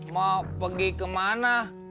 mau pergi kemana